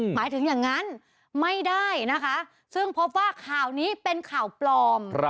หมายถึงอย่างนั้นไม่ได้นะคะซึ่งพบว่าข่าวนี้เป็นข่าวปลอม